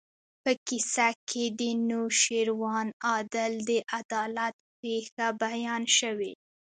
په کیسه کې د نوشیروان عادل د عدالت پېښه بیان شوې.